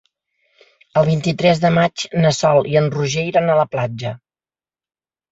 El vint-i-tres de maig na Sol i en Roger iran a la platja.